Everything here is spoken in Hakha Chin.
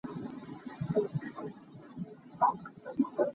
Ra hmanh! meiphu kan hawr ṭi lai.